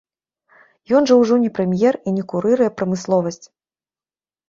Ён жа ўжо не прэм'ер і не курыруе прамысловасць?